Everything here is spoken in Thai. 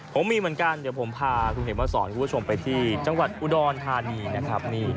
ผมมีเหมือนกันเดี๋ยวผมพาคุณเห็นมาสอนคุณผู้ชมไปที่จังหวัดอุดรธานีนะครับ